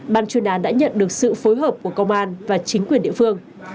ban chuyên án đã nhận được sự phối hợp của công an và chính quyền địa phương